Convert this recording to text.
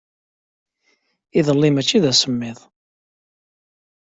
Iḍelli maci d asemmiḍ.